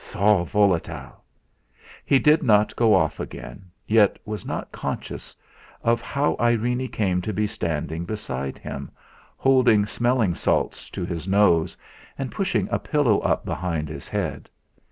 Sal volatile!' He did not go off again, yet was not conscious of how Irene came to be standing beside him, holding smelling salts to his nose, and pushing a pillow up behind his head.